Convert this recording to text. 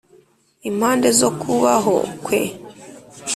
impande zo kubaho kwe